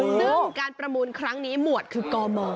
ซึ่งการประมูลครั้งนี้หมวดคือกม